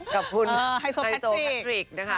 กับคุณไฮโซแพทริก